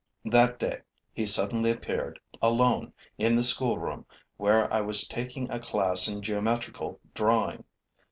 That day, he suddenly appeared, alone, in the schoolroom, where I was taking a class in geometrical drawing.